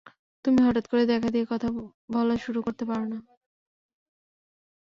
তুমি হঠাৎ করে দেখা দিয়ে কথা বলা শুরু করতে পারো না।